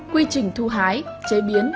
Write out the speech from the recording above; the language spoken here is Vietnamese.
quy trình thu hái chế biến